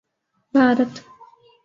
Bharat